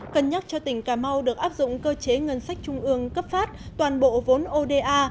cân nhắc cho tỉnh cà mau được áp dụng cơ chế ngân sách trung ương cấp phát toàn bộ vốn oda